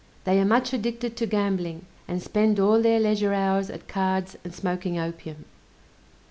They are much addicted to gambling, and spend all their leisure hours at cards and smoking opium.